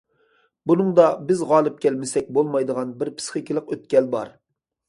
بۇنىڭدا بىز غالىب كەلمىسەك بولمايدىغان بىر پىسخىكىلىق ئۆتكەل بار.